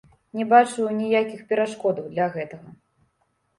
Не бачу ніякіх перашкодаў для гэтага.